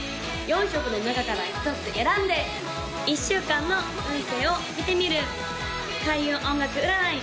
４色の中から１つ選んで１週間の運勢を見てみる開運音楽占い